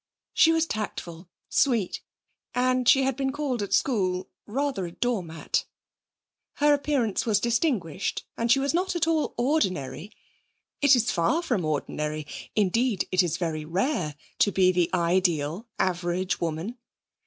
She was tactful, sweet, and, she had been called at school, rather a doormat. Her appearance was distinguished and she was not at all ordinary. It is far from ordinary, indeed it is very rare, to be the ideal average woman.